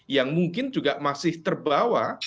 yang mungkin juga masih terbawa